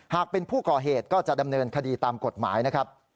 หากเป็นผู้ก่อเหตุก็จะดำเนินคดีตามกฎหมายนะครับ